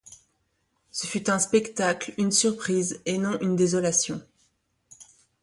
Ce fut un spectacle, une surprise et non une désolation.